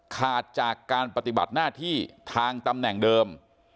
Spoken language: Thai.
ขาดจากการปฏิบัติหน้าที่ทางตำแหน่งเดิม